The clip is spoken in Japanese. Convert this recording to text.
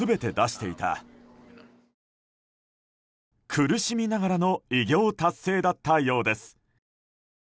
苦しみながらの偉業達成だったようです。